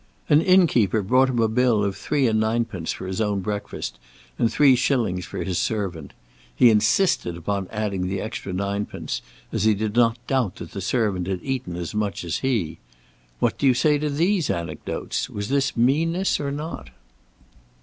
An inn keeper brought him a bill of three and ninepence for his own breakfast, and three shillings for his servant. He insisted upon adding the extra ninepence, as he did not doubt that the servant had eaten as much as he. What do you say to these anecdotes? Was this meanness or not?"